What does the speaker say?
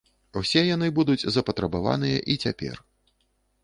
Усе яны будуць запатрабаваныя і цяпер.